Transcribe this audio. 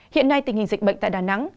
hiện nay tình hình dịch bệnh tại đà nẵng